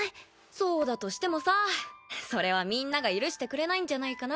そうだとしてもさそれはみんなが許してくれないんじゃないかな。